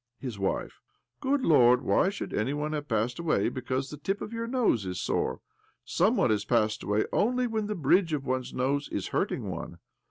■His wife: Good Lord ! Why should any one have passed away because the tip of your nose is sore? Some one has passed away only when the bridge of one's nose is hurting one.